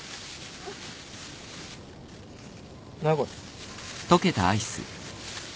何これ。